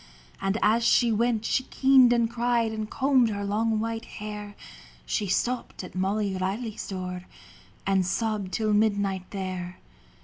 And as she went she keened and cried And combed her long white hair. She stopped at Molly Reilly's door, And sobbed till midnight there.